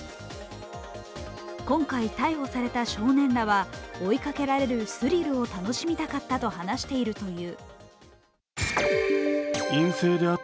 今回、逮捕された少年らは追いかけられるスリルを楽しみたかったと話しているという。